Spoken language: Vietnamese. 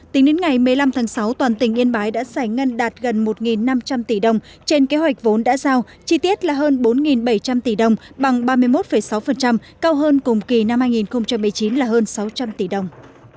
tính đến ngày một mươi năm tháng sáu toàn tỉnh yên bái đã giải ngân đạt gần một năm trăm linh tỷ đồng trên kế hoạch vốn đã giao chi tiết là hơn bốn bảy trăm linh tỷ đồng bằng ba mươi một sáu cao hơn cùng kỳ năm hai nghìn một mươi chín là hơn sáu trăm linh tỷ đồng